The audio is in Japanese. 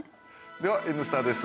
では「Ｎスタ」です。